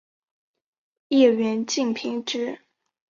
叶缘近平直。